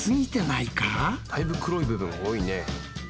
だいぶ黒い部分多いね。